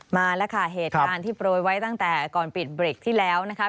มาแล้วค่ะเหตุการณ์ที่โปรยไว้ตั้งแต่ก่อนปิดเบรกที่แล้วนะคะ